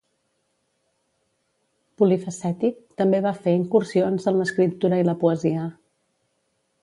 Polifacètic, també va fer incursions en l'escriptura i la poesia.